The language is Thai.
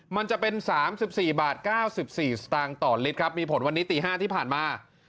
มันจะเป็น๓๔บาท๙๔สตางค์ต่อลิตรครับมีผลวันนี้ตี๕ที่ผ่านมา